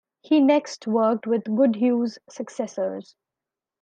He next worked with Goodhue's successors.